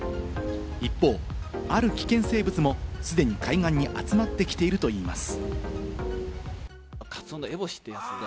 一方、ある危険生物も既に海岸に集まってきているといいます。